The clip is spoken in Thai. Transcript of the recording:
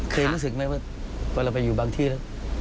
รู้สึกไหมว่าเวลาเราไปอยู่บางที่แล้ว